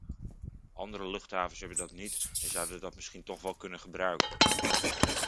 Andere luchthavens hebben dat niet en zouden dat misschien toch wel kunnen gebruiken.